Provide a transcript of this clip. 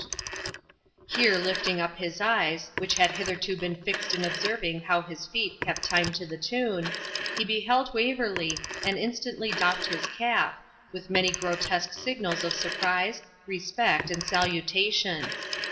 ] Here lifting up his eyes, which had hitherto been fixed in observing how his feet kept time to the tune, he beheld Waverley, and instantly doffed his cap, with many grotesque signals of surprise, respect, and salutation.